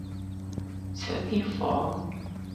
The people practiced some agriculture and were partly nomadic.